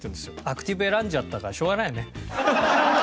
アクティブ選んじゃったからしょうがないよね。